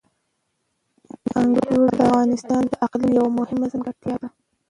انګور د افغانستان د اقلیم یوه مهمه ځانګړتیا ده.